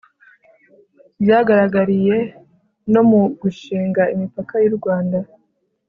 byagaragariye no mu gushinga imipaka y'u rwanda